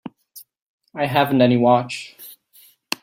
I haven't any watch.